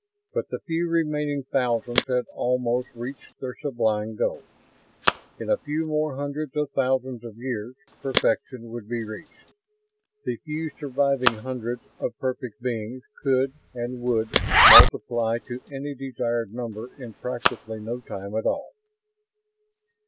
But the few remaining thousands had almost reached their sublime goal. In a few more hundreds of thousands of years perfection would be reached. The few surviving hundreds of perfect beings could and would multiply to any desired number in practically no time at all.